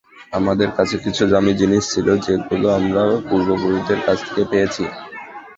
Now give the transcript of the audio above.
আমাদের কাছে কিছু দামি জিনিস ছিল, যেগুলো আমরা পূর্বপুরুষদের কাছ থেকে পেয়েছি।